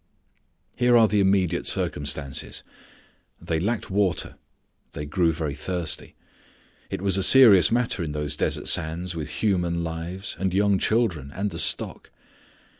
Here are the immediate circumstances. They lacked water. They grew very thirsty. It was a serious matter in those desert sands with human lives, and young children, and the stock.